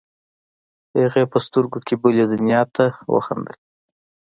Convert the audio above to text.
هغې په سترګو کې بلې ته وخندلې.